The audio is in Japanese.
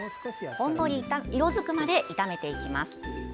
ほんのり色づくまで炒めていきます。